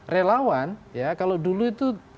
relawan ya kalau dulu itu